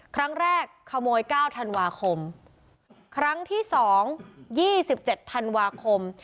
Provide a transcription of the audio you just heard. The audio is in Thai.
ครั้งแรกขโมย๙ธันวาคมครั้งที่สองยี่สิบเจ็ดธันวาคม